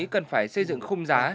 cần phải xây dựng khung giá